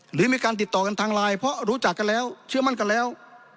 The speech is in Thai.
หรือมีการติดต่อกันทางไลน์เพราะรู้จักกันแล้วเชื่อมั่นกันแล้ว